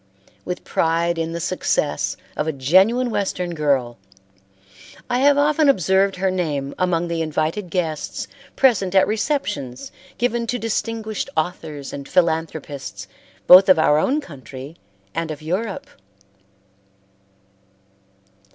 With pride in the success, of a genuine Western girl, I have often observed her name among the invited guests present at receptions given to distinguished authors and philanthropists both of our own country and of Europe.